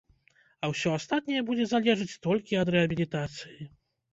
А ўсё астатняе будзе залежыць толькі ад рэабілітацыі.